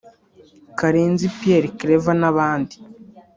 Karenzi Pierre Claver n’abandi